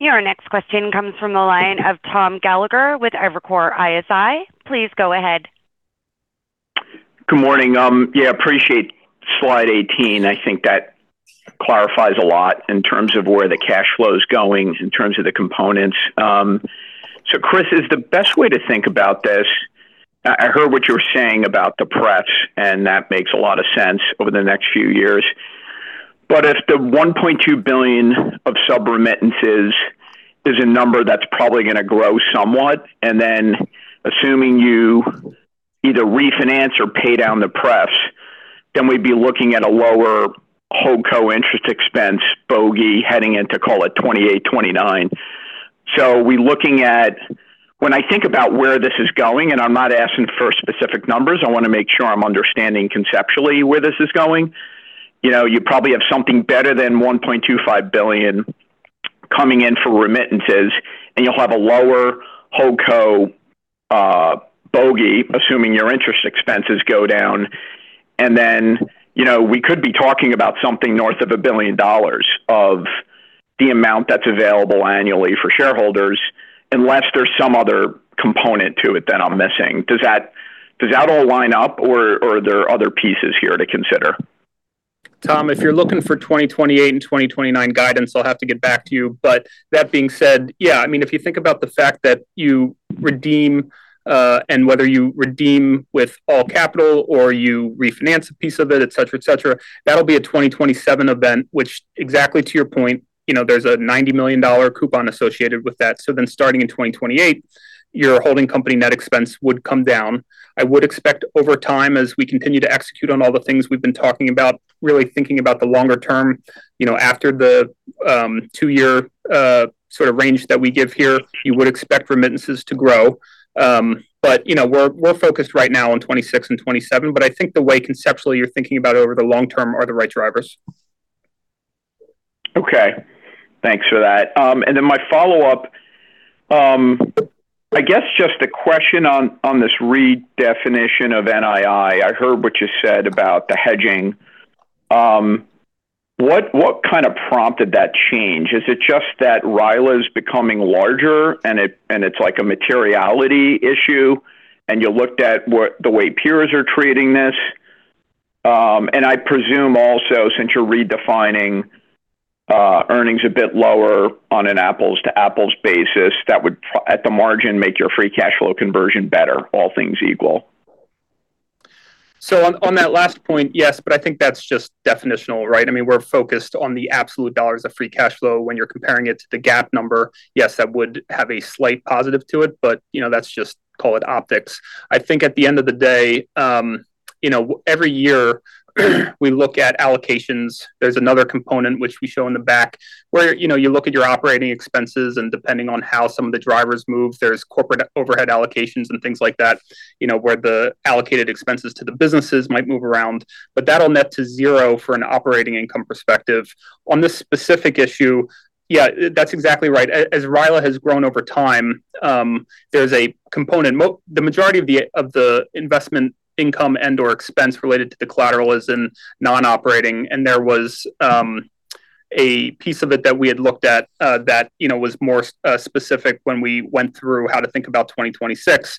Your next question comes from the line of Tom Gallagher with Evercore ISI. Please go ahead. Good morning. Yeah, appreciate slide 18. I think that clarifies a lot in terms of where the cash flow is going, in terms of the components. So Chris, is the best way to think about this—I heard what you were saying about the debt, and that makes a lot of sense over the next few years. But if the $1.2 billion of sub-remittances is a number that's probably going to grow somewhat, and then assuming you either refinance or pay down the debt, then we'd be looking at a lower holdco interest expense bogey, heading into, call it 2028, 2029. So we're looking at... When I think about where this is going, and I'm not asking for specific numbers, I want to make sure I'm understanding conceptually where this is going. You know, you probably have something better than $1.25 billion coming in for remittances, and you'll have a lower holdco bogey, assuming your interest expenses go down. And then, you know, we could be talking about something north of $1 billion of the amount that's available annually for shareholders, unless there's some other component to it that I'm missing. Does that all line up, or are there other pieces here to consider? Tom, if you're looking for 2028 and 2029 guidance, I'll have to get back to you. But that being said, yeah, I mean, if you think about the fact that you redeem, and whether you redeem with all capital or you refinance a piece of it, et cetera, et cetera, that'll be a 2027 event, which exactly to your point, you know, there's a $90 million coupon associated with that. So then, starting in 2028, your holding company net expense would come down. I would expect over time, as we continue to execute on all the things we've been talking about, really thinking about the longer term, you know, after the, two-year, sort of range that we give here, you would expect remittances to grow. But, you know, we're focused right now on 2026 and 2027, but I think the way conceptually you're thinking about over the long term are the right drivers. Okay, thanks for that. And then my follow-up, I guess just a question on this redefinition of NII. I heard what you said about the hedging. What kind of prompted that change? Is it just that RILA is becoming larger, and it and it's like a materiality issue, and you looked at the way peers are treating this? And I presume also, since you're redefining earnings a bit lower on an apples to apples basis, that would probably at the margin make your free cash flow conversion better, all things equal. So, on that last point, yes, but I think that's just definitional, right? I mean, we're focused on the absolute dollars of free cash flow when you're comparing it to the GAAP number. Yes, that would have a slight positive to it, but, you know, that's just, call it, optics. I think at the end of the day, you know, every year, we look at allocations. There's another component which we show in the back, where, you know, you look at your operating expenses, and depending on how some of the drivers move, there's corporate overhead allocations and things like that, you know, where the allocated expenses to the businesses might move around. But that'll net to zero from an operating income perspective. On this specific issue, yeah, that's exactly right. As RILA has grown over time, there's a component... The majority of the investment income and/or expense related to the collateral is in non-operating, and there was a piece of it that we had looked at that you know was more specific when we went through how to think about 2026.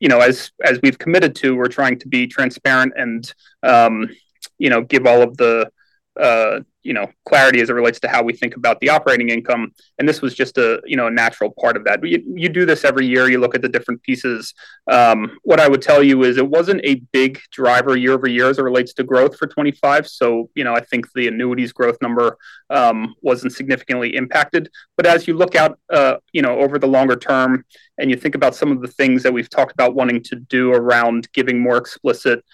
You know, as we've committed to, we're trying to be transparent and you know give all of the you know clarity as it relates to how we think about the operating income, and this was just a you know a natural part of that. You do this every year. You look at the different pieces. What I would tell you is it wasn't a big driver year-over-year as it relates to growth for 2025. So you know I think the annuities growth number wasn't significantly impacted. But as you look out, you know, over the longer term and you think about some of the things that we've talked about wanting to do around giving more explicit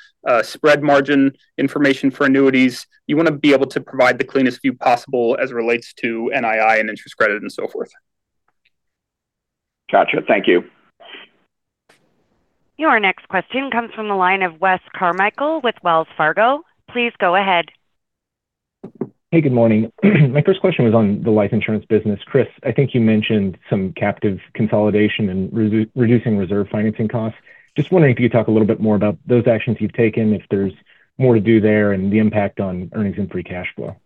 spread margin information for annuities, you want to be able to provide the cleanest view possible as it relates to NII and interest credit and so forth. Gotcha. Thank you. Your next question comes from the line of Wes Carmichael with Wells Fargo. Please go ahead. Hey, good morning. My first question was on the Life Insurance business. Chris, I think you mentioned some captive consolidation and reducing reserve financing costs. Just wondering if you could talk a little bit more about those actions you've taken, if there's more to do there, and the impact on earnings and free cash flow?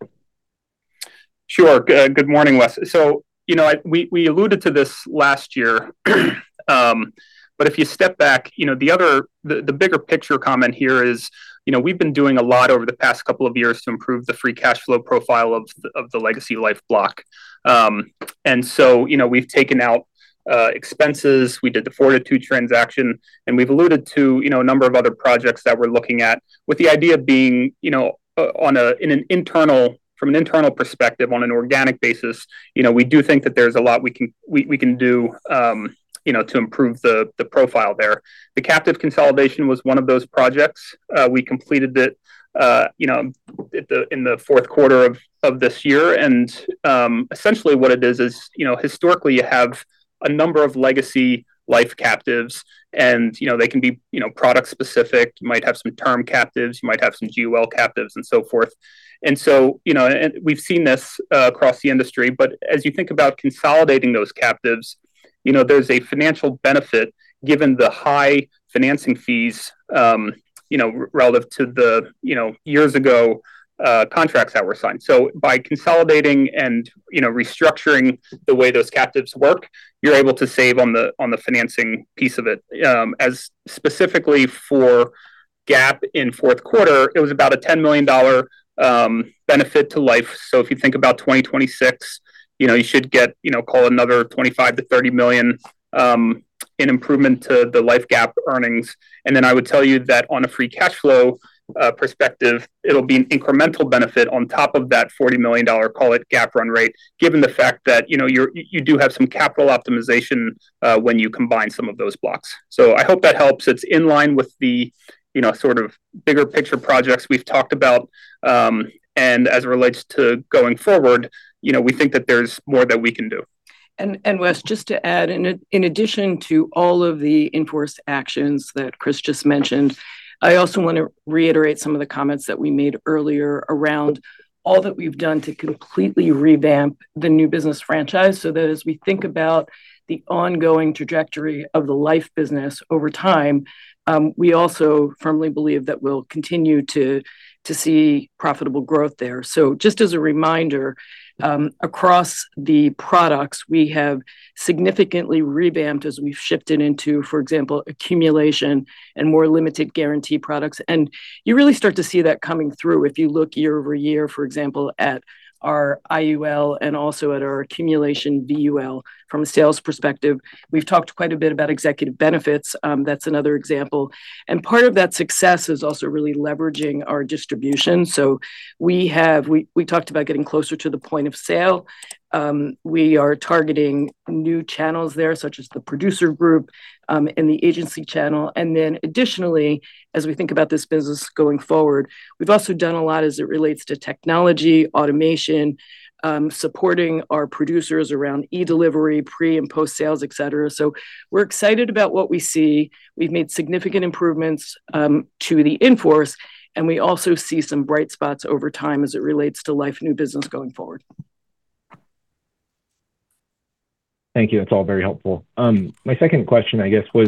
Sure. Good morning, Wes. So, you know, we, we alluded to this last year. But if you step back, you know, the other, the bigger picture comment here is, you know, we've been doing a lot over the past couple of years to improve the free cash flow profile of the legacy Life block. And so, you know, we've taken out expenses. We did the Fortitude transaction, and we've alluded to, you know, a number of other projects that we're looking at, with the idea being, you know, from an internal perspective, on an organic basis, you know, we do think that there's a lot we can do, you know, to improve the profile there. The captive consolidation was one of those projects. We completed it, you know, in the fourth quarter of this year. Essentially, what it is is, you know, historically, you have a number of legacy Life captives, and, you know, they can be, you know, product specific. You might have some term captives, you might have some GUL captives, and so forth. And so, you know, we've seen this across the industry, but as you think about consolidating those captives, you know, there's a financial benefit, given the high financing fees, you know, relative to the, you know, years ago, contracts that were signed. So by consolidating and, you know, restructuring the way those captives work, you're able to save on the financing piece of it. As specifically for GAAP in fourth quarter, it was about a $10 million benefit to Life. So if you think about 2026, you know, you should get, you know, call it another $25 million-$30 million in improvement to the Life GAAP earnings. And then, I would tell you that on a free cash flow perspective, it'll be an incremental benefit on top of that $40 million, call it, GAAP run rate, given the fact that, you know, you do have some capital optimization when you combine some of those blocks. So I hope that helps. It's in line with the, you know, sort of bigger picture projects we've talked about, and as it relates to going forward, you know, we think that there's more that we can do. Wes, just to add, in addition to all of the in-force actions that Chris just mentioned, I also want to reiterate some of the comments that we made earlier around all that we've done to completely revamp the new business franchise, so that as we think about the ongoing trajectory of the Life business over time, we also firmly believe that we'll continue to see profitable growth there. So just as a reminder, across the products, we have significantly revamped as we've shifted into, for example, accumulation and more limited guarantee products. And you really start to see that coming through if you look year-over-year, for example, at our IUL and also at our accumulation VUL from a sales perspective. We've talked quite a bit about executive benefits, that's another example. Part of that success is also really leveraging our distribution. So we have talked about getting closer to the point of sale. We are targeting new channels there, such as the producer group and the agency channel. And then additionally, as we think about this business going forward, we've also done a lot as it relates to technology, automation, supporting our producers around e-delivery, pre- and post-sales, et cetera. So we're excited about what we see. We've made significant improvements to the in-force, and we also see some bright spots over time as it relates to Life new business going forward. Thank you. That's all very helpful. My second question, I guess, was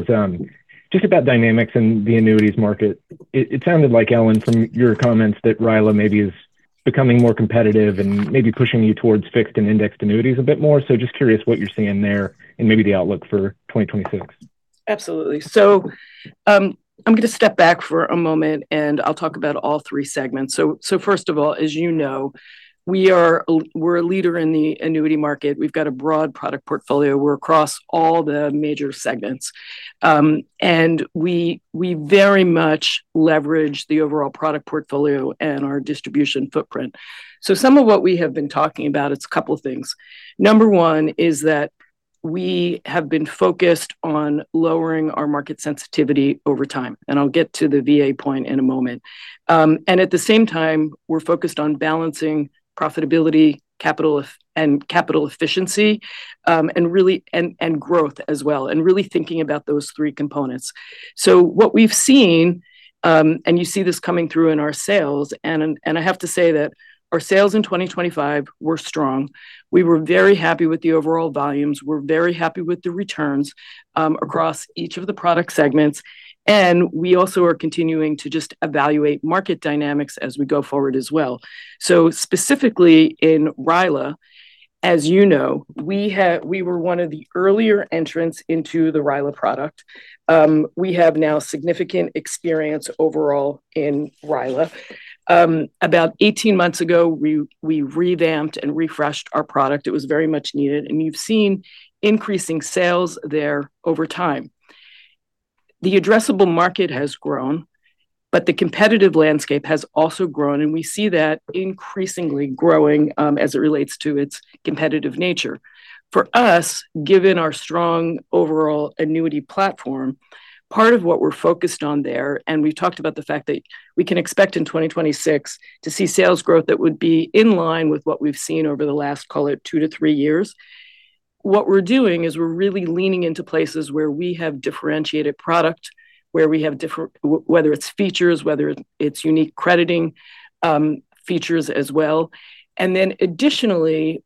just about dynamics in the annuities market. It sounded like, Ellen, from your comments, that RILA maybe is becoming more competitive and maybe pushing you towards fixed and indexed annuities a bit more. So just curious what you're seeing there and maybe the outlook for 2026. Absolutely. So, I'm going to step back for a moment, and I'll talk about all three segments. So, first of all, as you know, we are a leader in the annuity market. We've got a broad product portfolio. We're across all the major segments. And we very much leverage the overall product portfolio and our distribution footprint. So some of what we have been talking about, it's a couple of things. Number one is that we have been focused on lowering our market sensitivity over time, and I'll get to the VA point in a moment. And at the same time, we're focused on balancing profitability, capital efficiency, and really, and growth as well, and really thinking about those three components. So what we've seen, and you see this coming through in our sales, and I have to say that our sales in 2025 were strong. We were very happy with the overall volumes. We're very happy with the returns, across each of the product segments, and we also are continuing to just evaluate market dynamics as we go forward as well. So specifically in RILA, as you know, we were one of the earlier entrants into the RILA product. We have now significant experience overall in RILA. About 18 months ago, we revamped and refreshed our product. It was very much needed, and you've seen increasing sales there over time. The addressable market has grown, but the competitive landscape has also grown, and we see that increasingly growing, as it relates to its competitive nature. For us, given our strong overall annuity platform, part of what we're focused on there, and we've talked about the fact that we can expect in 2026 to see sales growth that would be in line with what we've seen over the last, call it, two to three years. ... What we're doing is we're really leaning into places where we have differentiated product, where we have whether it's features, whether it's unique crediting, features as well. And then additionally,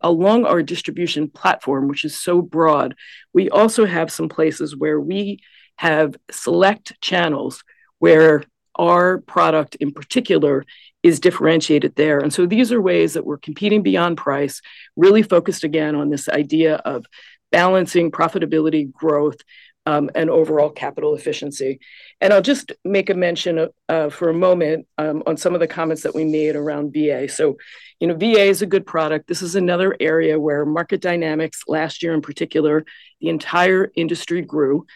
along our distribution platform, which is so broad, we also have some places where we have select channels where our product, in particular, is differentiated there. And so these are ways that we're competing beyond price, really focused, again, on this idea of balancing profitability, growth, and overall capital efficiency. And I'll just make a mention for a moment on some of the comments that we made around VA. So, you know, VA is a good product. This is another area where market dynamics, last year in particular, the entire industry grew.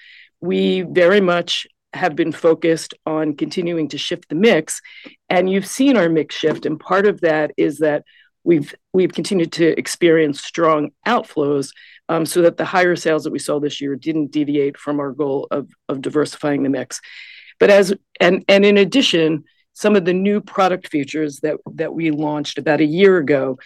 We very much have been focused on continuing to shift the mix, and you've seen our mix shift, and part of that is that we've continued to experience strong outflows, so that the higher sales that we saw this year didn't deviate from our goal of diversifying the mix. But, and in addition, some of the new product features that we launched about a year ago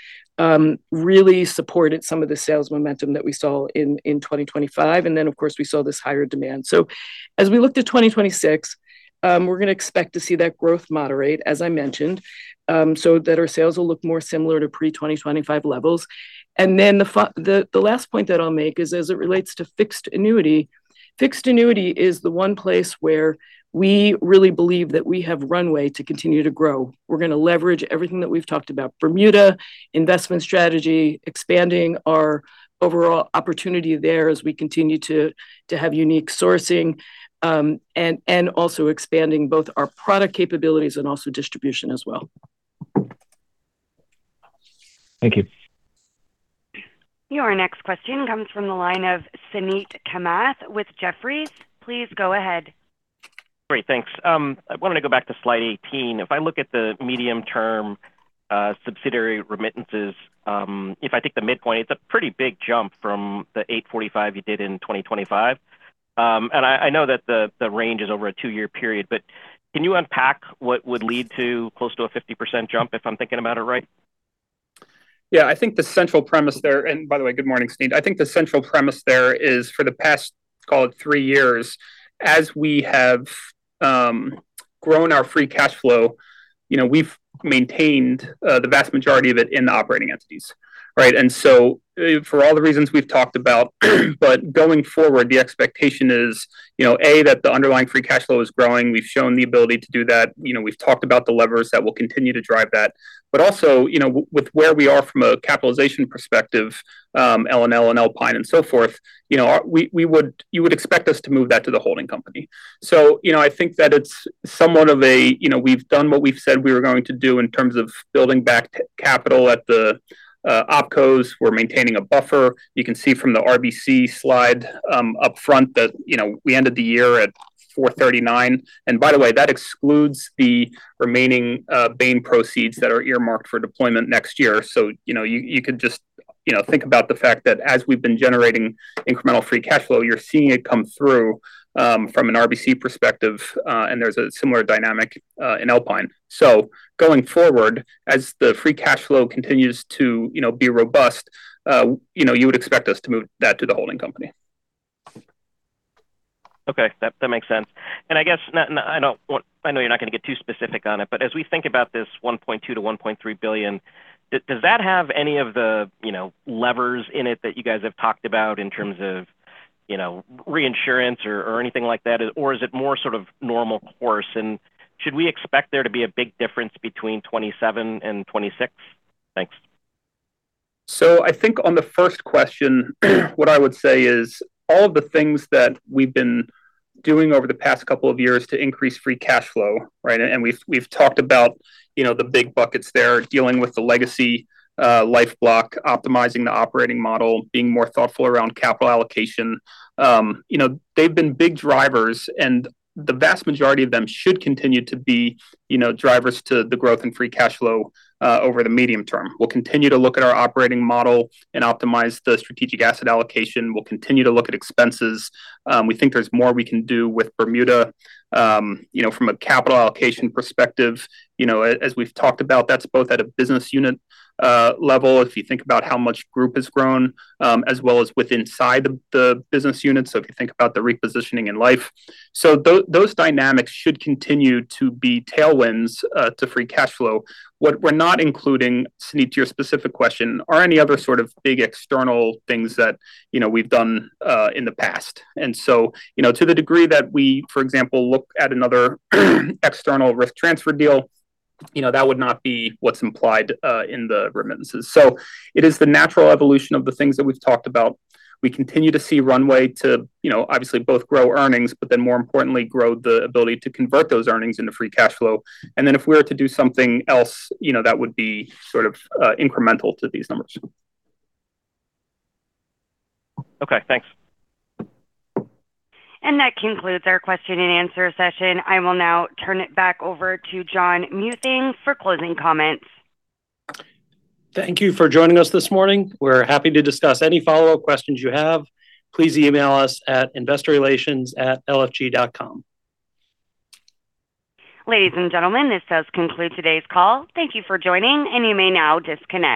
really supported some of the sales momentum that we saw in 2025, and then, of course, we saw this higher demand. So as we looked at 2026, we're going to expect to see that growth moderate, as I mentioned, so that our sales will look more similar to pre-2025 levels. And then the last point that I'll make is as it relates to fixed annuity. Fixed annuity is the one place where we really believe that we have runway to continue to grow. We're going to leverage everything that we've talked about, Bermuda, investment strategy, expanding our overall opportunity there as we continue to have unique sourcing, and also expanding both our product capabilities and also distribution as well. Thank you. Your next question comes from the line of Suneet Kamath with Jefferies. Please go ahead. Great, thanks. I wanted to go back to slide 18. If I look at the medium-term subsidiary remittances, if I take the midpoint, it's a pretty big jump from the $845 you did in 2025. And I know that the range is over a two-year period, but can you unpack what would lead to close to a 50% jump, if I'm thinking about it right? Yeah, I think the central premise there... And by the way, good morning, Suneet. I think the central premise there is, for the past, call it three years, as we have grown our free cash flow, you know, we've maintained the vast majority of it in the operating entities, right? And so for all the reasons we've talked about, but going forward, the expectation is, you know, A, that the underlying free cash flow is growing. We've shown the ability to do that. You know, we've talked about the levers that will continue to drive that. But also, you know, with where we are from a capitalization perspective, LNL and Alpine and so forth, you know, we would—you would expect us to move that to the holding company. So, you know, I think that it's somewhat of a, you know, we've done what we've said we were going to do in terms of building back capital at the, opcos. We're maintaining a buffer. You can see from the RBC slide, upfront that, you know, we ended the year at 439. And by the way, that excludes the remaining, Bain proceeds that are earmarked for deployment next year. So, you know, you, you could just, you know, think about the fact that as we've been generating incremental free cash flow, you're seeing it come through, from an RBC perspective, and there's a similar dynamic, in Alpine. So going forward, as the free cash flow continues to, you know, be robust, you know, you would expect us to move that to the holding company. Okay, that, that makes sense. And I guess, and I, I don't want- I know you're not going to get too specific on it, but as we think about this $1.2 billion-$1.3 billion, d-does that have any of the, you know, levers in it that you guys have talked about in terms of, you know, reinsurance or, or anything like that? Or is it more sort of normal course, and should we expect there to be a big difference between 2027 and 2026? Thanks. So I think on the first question, what I would say is, all of the things that we've been doing over the past couple of years to increase free cash flow, right? And we've talked about, you know, the big buckets there, dealing with the legacy Life block, optimizing the operating model, being more thoughtful around capital allocation. You know, they've been big drivers, and the vast majority of them should continue to be, you know, drivers to the growth in free cash flow over the medium term. We'll continue to look at our operating model and optimize the strategic asset allocation. We'll continue to look at expenses. We think there's more we can do with Bermuda. You know, from a capital allocation perspective, you know, as we've talked about, that's both at a business unit level, if you think about how much Group has grown, as well as within the business unit, so if you think about the repositioning in Life. So those dynamics should continue to be tailwinds to free cash flow. What we're not including, Suneet, to your specific question, are any other sort of big external things that, you know, we've done in the past. And so, you know, to the degree that we, for example, look at another external risk transfer deal, you know, that would not be what's implied in the remittances. So it is the natural evolution of the things that we've talked about. We continue to see runway to, you know, obviously both grow earnings, but then more importantly, grow the ability to convert those earnings into free cash flow. And then if we were to do something else, you know, that would be sort of, incremental to these numbers. Okay, thanks. That concludes our question and answer session. I will now turn it back over to John Muething for closing comments. Thank you for joining us this morning. We're happy to discuss any follow-up questions you have. Please email us at investorrelations@lfg.com. Ladies and gentlemen, this does conclude today's call. Thank you for joining, and you may now disconnect.